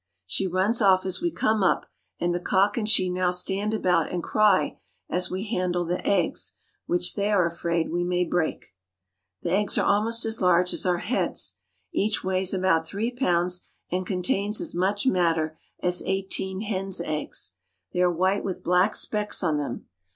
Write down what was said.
She runs off as we come up, and the cock and she now stand about and cry as we handle the eggs, which they are afraid we may break. The eggs are almost as large as our heads. Each weighs about three pounds, and contains as much matter as eighteen hen's eggs. They are white with black specks on them.